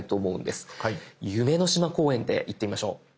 夢の島公園でいってみましょう。